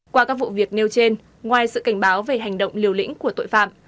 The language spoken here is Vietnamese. qua các vụ việc nêu trên ngoài sự cảnh báo về hành động liều lĩnh của tội phạm